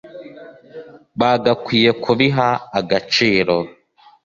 bagakwiye kubiha agaciro